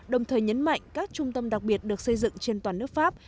đồng thời nhấn mạnh các trung tâm đặc biệt được xây dựng trên toàn nước pháp